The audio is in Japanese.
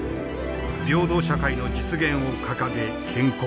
平等社会の実現を掲げ建国。